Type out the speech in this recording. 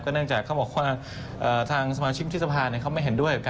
ก็เนื่องจากเขาบอกว่าทางสมาชิกทฤษภาเนี่ย